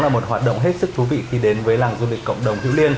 là một hoạt động hết sức thú vị khi đến với làng du lịch cộng đồng hữu liên